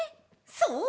そう！